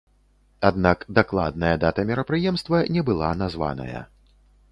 Аднак дакладная дата мерапрыемства не была названая.